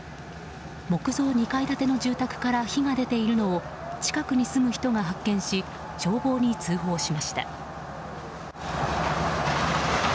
木造２階建ての住宅から火が出ているのを近くに住む人が発見し消防に通報しました。